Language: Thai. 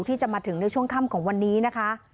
ที่จะมาถึงในช่วงค่ำของวันนี้นะคะ